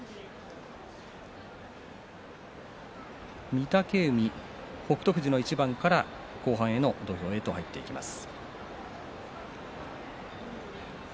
御嶽海、北勝富士の一番から後半の土俵へと入っていきます。